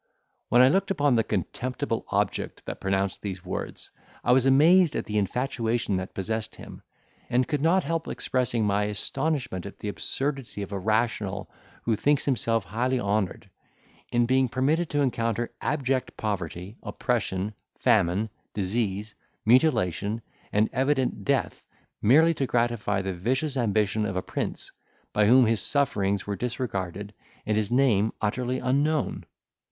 When I looked upon the contemptible object that pronounced these words, I was amazed at the infatuation that possessed him; and could not help expressing my astonishment at the absurdity of a rational who thinks himself highly honoured, in being permitted to encounter abject poverty, oppression, famine, disease, mutilation, and evident death merely to gratify the vicious ambition of a prince, by whom his sufferings were disregarded, and his name utterly unknown.